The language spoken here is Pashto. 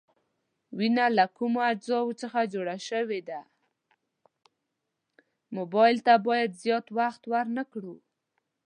موبایل ته باید زیات وخت ورنه کړو.